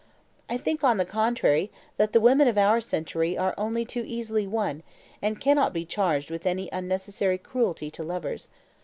I think, on the contrary, that the women of our century are only too easily won, and cannot be charged with any unnecessary cruelty to lovers.